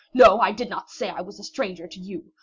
No, I did not say I was a stranger to you.